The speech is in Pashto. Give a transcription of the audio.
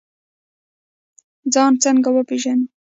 ځان څنګه وپیژنو؟